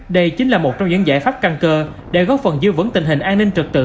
đây chính là một trong những giải pháp căn cơ để góp phần dư vấn tình hình an ninh trật tự